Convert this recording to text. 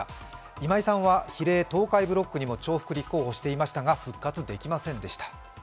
今井さんは比例東海ブロックにも重複立候補していましたが、復活できませんでした。